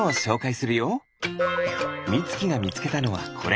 みつきがみつけたのはこれ。